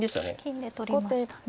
金で取りましたね。